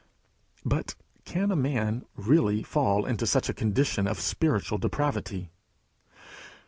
But can a man really fall into such a condition of spiritual depravity?